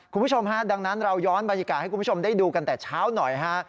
คุณผู้ชมฮะดังนั้นเราย้อนบรรยากาศให้คุณผู้ชมได้ดูกันแต่เช้าหน่อยฮะ